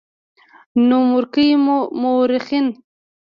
نومورکي مؤرخين